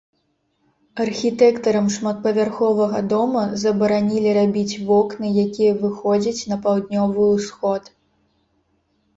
Архітэктарам шматпавярховага дома забаранілі рабіць вокны, якія выходзяць на паўднёвы ўсход.